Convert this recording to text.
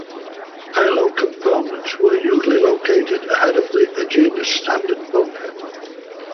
Payload components were usually located ahead of the Agena's standard bulkhead.